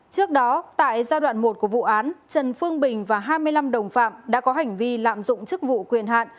trước đó tại giai đoạn một của vụ án trần phương bình và hai mươi năm đồng phạm đã có hành vi lạm dụng chức vụ quyền hạn